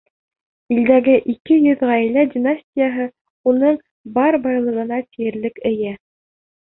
Илдәге ике йөҙ ғаилә династияһы уның бар байлығына тиерлек эйә.